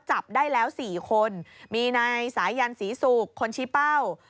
จับได้แล้ว๔คนมีนายสายันศรีศุกร์คนชี้เป้า